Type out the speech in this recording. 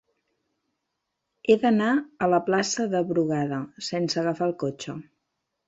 He d'anar a la plaça de Brugada sense agafar el cotxe.